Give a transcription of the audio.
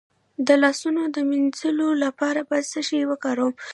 د لاسونو د مینځلو لپاره باید څه شی وکاروم؟